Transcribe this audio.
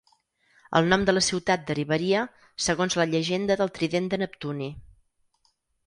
El nom de la ciutat derivaria segons la llegenda del trident de Neptuni.